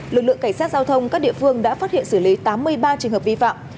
lực lượng cảnh sát giao thông các địa phương đã phát hiện xử lý tám mươi ba trường hợp vi phạm